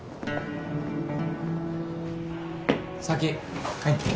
先入って。